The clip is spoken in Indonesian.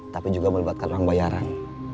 tapi juga melibatkan orang bayaran